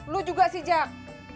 lo juga sih jak